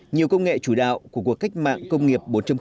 nhiều công nghệ chủ đạo của cuộc cách mạng công nghiệp bốn